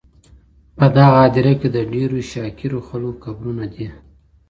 په دغه هدیره کي د ډېرو شاکرو خلکو قبرونه دي.